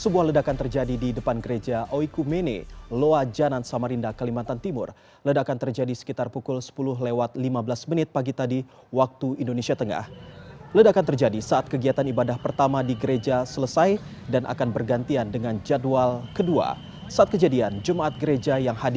berita terkini dari jemaat gereja